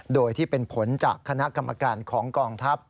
โดยที่เป็นผลจากคณะกรรมการของกองทัพ